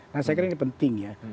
nah saya kira ini penting ya